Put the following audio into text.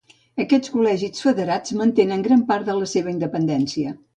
Aquests col·legis federats mantenien gran part de la seva independència.